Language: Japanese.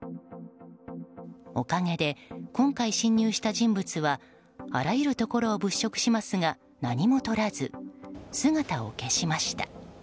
おかげで、今回侵入した人物はあらゆるところを物色しますが何も取らず姿を消しました。